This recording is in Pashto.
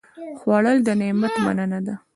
خوړل د نعمت مننه ده